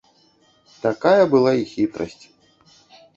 Такая была і хітрасць.